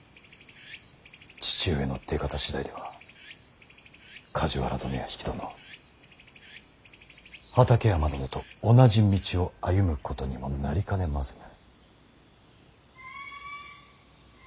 父上の出方次第では梶原殿や比企殿畠山殿と同じ道を歩むことにもなりかねません。